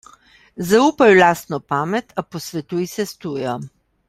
Zaupaj v lastno pamet, a posvetuj se s tujo.